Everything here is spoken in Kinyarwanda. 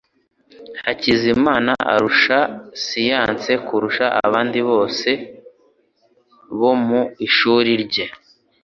Hakizamana arusha siyanse kurusha abandi bose bo mu ishuri rye